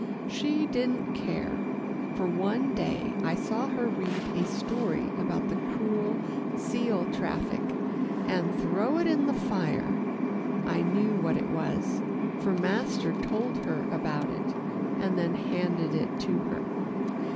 She didn't care, for one day I saw her read a story about the cruel seal traffic, and throw it in the fire. I knew what it was, for master told her about it, and then handed it to her.